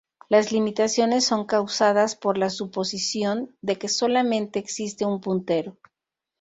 Las limitaciones son causadas por la suposición de que solamente existe un puntero.